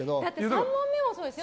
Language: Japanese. ３問目もそうですよ